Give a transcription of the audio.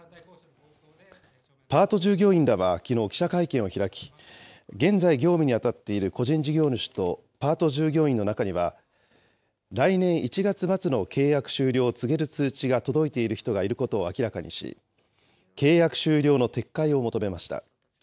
パート従業員らはきのう、記者会見を開き、現在、業務にあたっている個人事業主とパート従業員の中には、来年１月末の契約終了を告げる通知が届いている人がいることを明らかにし、契約終了の撤回を求めました。